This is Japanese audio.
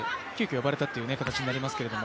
呼ばれた形になりますけど。